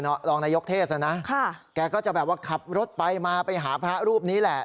รองนายกเทศนะค่ะแกก็จะแบบว่าขับรถไปมาไปหาพระรูปนี้แหละ